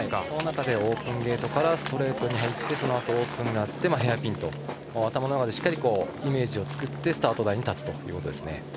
その中でオープンゲートからストレートに入ってそのあとオープンになってヘアピンと頭の中でイメージを作ってスタート台に立つということです。